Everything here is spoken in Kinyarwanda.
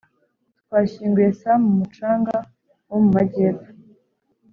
twashyinguye sam mu mucanga wo mu majyepfo